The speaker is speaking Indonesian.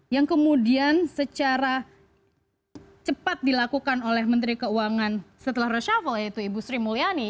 yang kemudian secara cepat dilakukan oleh menteri keuangan setelah reshuffle yaitu ibu sri mulyani